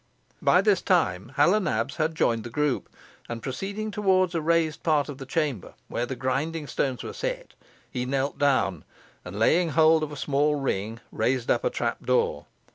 By this time Hal o' Nabs had joined the group, and proceeding towards a raised part of the chamber where the grinding stones were set, he knelt down, and laying hold of a small ring, raised up a trapdoor.